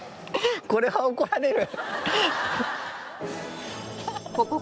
これは怒られる。